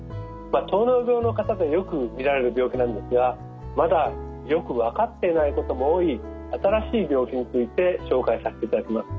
糖尿病の方でよく見られる病気なんですがまだよく分かっていないことも多い新しい病気について紹介させていただきます。